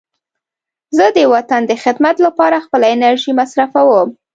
زه د وطن د خدمت لپاره خپله انرژي مصرفوم.